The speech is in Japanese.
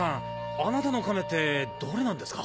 あなたの亀ってどれなんですか？